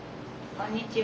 こんにちは。